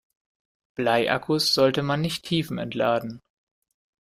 Bleiakkus sollte man nicht tiefentladen.